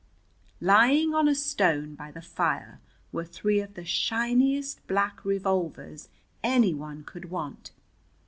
Lying on a stone by the fire were three of the shiniest black revolvers any one could want.